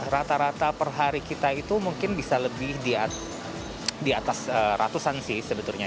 rata rata per hari kita itu mungkin bisa lebih di atas ratusan sih sebetulnya